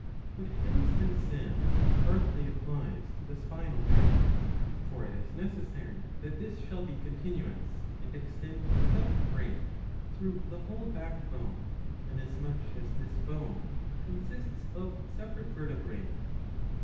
What has been said hardly applies to the spinal marrow. For it is necessary that this shall be continuous and extend without break through the whole back bone, inasmuch as this bone consists of separate vertebrae.